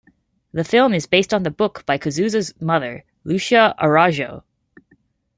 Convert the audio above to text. The film is based on the book by Cazuza's mother, Lucia Araujo.